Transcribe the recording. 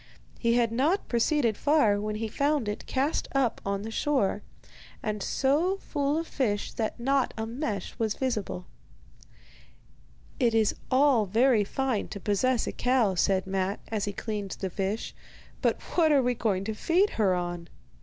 He had not proceeded far when he found it cast up on the shore, and so full of fish that not a mesh was visible. 'It is all very fine to possess a cow,' said Matte, as he cleaned the fish; 'but what are we going to feed her on?